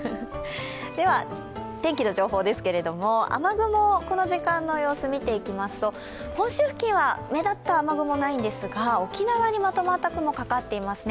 天気の情報ですけれども、雨雲、この時間の様子を見ていきますと本州付近は目立った雨雲はないんですが沖縄にまとまった雲かかってますね。